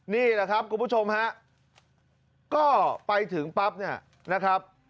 นี่แหละครับคุณผู้ชมฮะก็ไปถึงปั๊บเนี่ยนะครับ